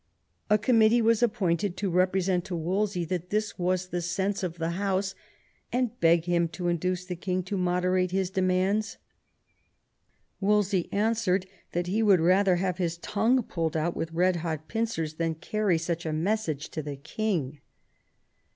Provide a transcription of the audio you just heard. A committee was ap pointed to represent to Wolsey that this was the sense of the House, and beg him to induce the king to moderate his demands. Wolsey answered that he would rather have his tongue pulled out with red hot pincers than carry such a message to the king.